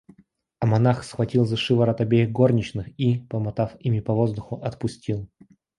А монах схватил за шиворот обеих горничных и, помотав ими по воздуху, отпустил.